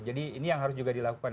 jadi ini yang harus juga dilakukan